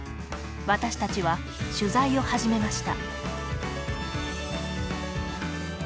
私たちは取材を始めました。